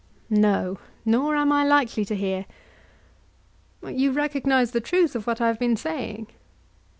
No, nor am I likely to hear. You recognise the truth of what I have been saying?